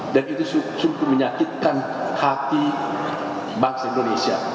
dan itu sungguh menyakitkan hati bangsa indonesia